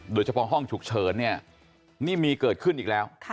โดยเฉพาะห้องฉุกเฉินเนี่ยนี่มีเกิดขึ้นอีกแล้ว